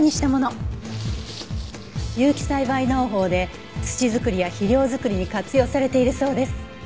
有機栽培農法で土作りや肥料作りに活用されているそうです。